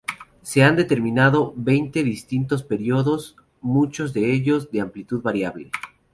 Se han determinado veinte distintos períodos, muchos de ellos de amplitud variable.